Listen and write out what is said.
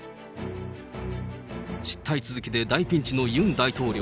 失態続きで大ピンチのユン大統領。